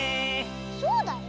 そうだよ。